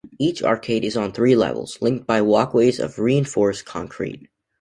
Each arcade is on three levels, linked by walkways of reinforced concrete.